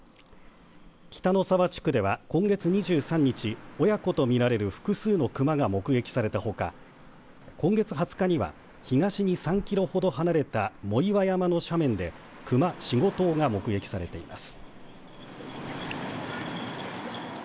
北ノ沢地区では今月２３日親子とみられる複数の熊が目撃されたほか今月２０日には東に３キロほど離れた藻岩山の斜面で熊４、５頭が目撃されています。